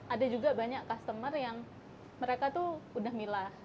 ada juga banyak customer yang mereka tuh udah milah